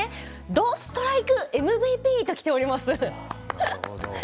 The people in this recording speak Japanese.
どストライクＭＶＰときております。